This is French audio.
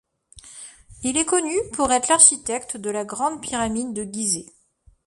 Il est connu pour être l'architecte de la grande pyramide de Gizeh.